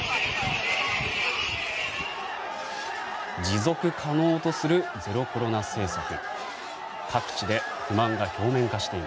持続可能とするゼロコロナ政策。